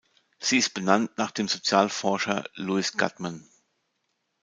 Sie ist benannt nach dem Sozialforscher Louis Guttman.